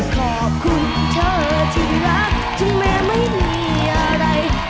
ขอบคุณเธอที่รักถึงแม้ไม่มีอะไร